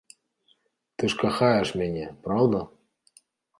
Ты ж кахаеш мяне, праўда?